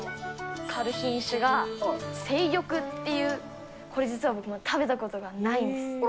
狩る品種が清玉っていう、これ実は、僕も食べたことがないんです。